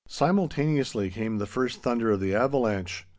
Simultaneously came the first thunder of the avalanche.